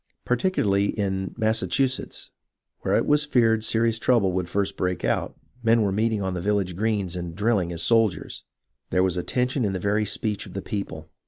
Particularly in Massachusetts, where it was feared serious trouble would first break out, men were meeting on the village greens and drilling as sol diers. There was a tension in the very speech of the people.